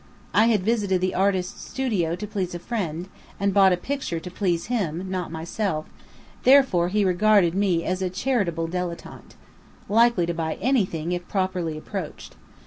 I had visited the artist's studio to please a friend, and bought a picture to please him (not myself); therefore he regarded me as a charitable dilettante, likely to buy anything if properly approached.